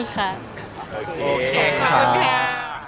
โอเคขอบคุณค่ะ